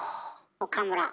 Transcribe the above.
岡村。